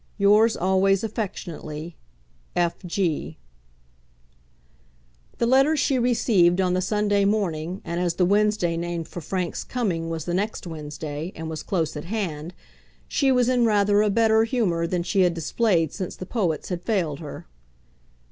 Yours always affectionately, F. G." The letter she received on the Sunday morning, and as the Wednesday named for Frank's coming was the next Wednesday, and was close at hand, she was in rather a better humour than she had displayed since the poets had failed her.